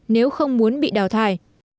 nếu không muốn bị đào thải